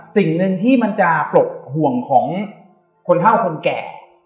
สิ่งหนึ่งที่มันจะปลดห่วงของคนเท่าคนแก่